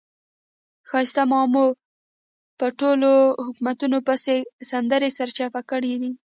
ښایسته ماما په ټولو حکومتونو پسې سندرې سرچپه کړې دي.